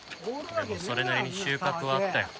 でもそれなりに収穫はあったよ。